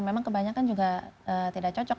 memang kebanyakan juga tidak cocok